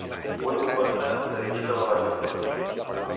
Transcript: Vull un conte del Llibre de la jungla!